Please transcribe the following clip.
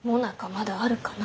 まだあるかな。